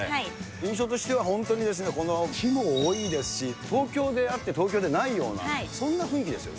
印象としては本当に、木も多いですし、東京であって東京でないような、そんな雰囲気ですよね。